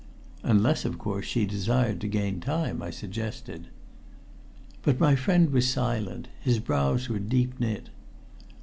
"Unless, of course, she desired to gain time," I suggested. But my friend was silent; his brows were deep knit.